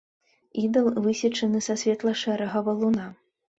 Ідал высечаны са светла-шэрага валуна.